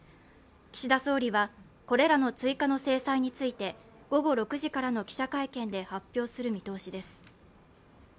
岸田総理は、これらの追加の制裁について、午後６時からの記者会見で発表する見通しです。